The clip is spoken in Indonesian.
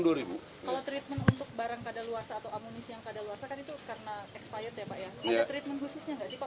kalau treatment untuk barang kada luar atau amunisi yang kada luar itu karena expired ya pak ya